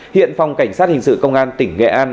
hiện phòng cảnh sát hình sự công an tỉnh nghệ an